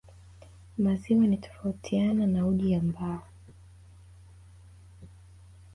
maziwa ni tofautiana na uji ambao